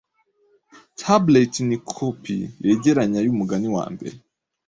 Tablet ni kopi yegeranye yumugani wambere